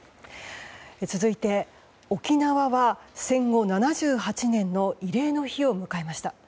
続いて、沖縄は戦後７８年の慰霊の日を迎えました。